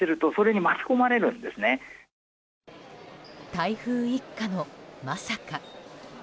台風一過のまさか。